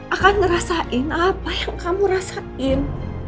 akan ngerasain apa yang kamu rasain